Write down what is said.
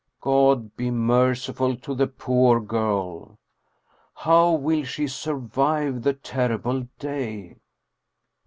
God be merciful to the poor girl. How will she survive the terrible day?